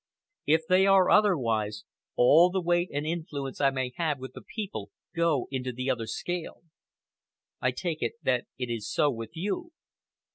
If they are otherwise, all the weight and influence I may have with the people go into the other scale. I take it that it is so with you?"